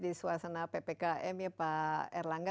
di suasana ppkm ya pak erlangga